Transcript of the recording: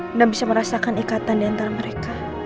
anda bisa merasakan ikatan di antara mereka